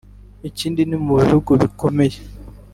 Ikindi no mu bihugu bikomeye